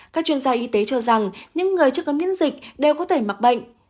các chuyên gia y tế cho rằng những người chưa có miễn dịch đều có thể mắc bệnh